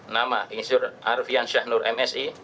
dua nama insur arfian syahnur msi